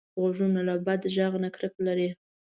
غوږونه له بد غږ نه کرکه لري